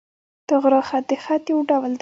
طغرا خط، د خط یو ډول دﺉ.